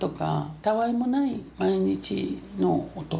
たあいもない毎日の音。